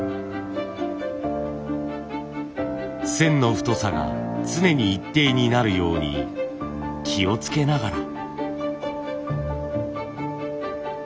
線の太さが常に一定になるように気をつけながら。